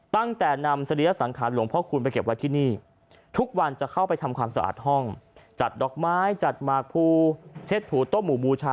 ตั้งแต่นำสรีระสังขารหลวงพ่อคูณไปเก็บไว้ที่นี่ทุกวันจะเข้าไปทำความสะอาดห้องจัดดอกไม้จัดหมากภูเช็ดถูโต้หมู่บูชา